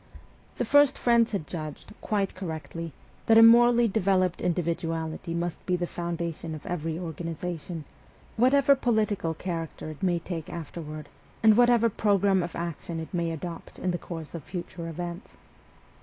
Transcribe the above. The few friends had judged, quite correctly, that a morally developed individuality must be the foundation of every organization, whatever political character it may take afterward and whatever programme of action it may adopt in the course of future events.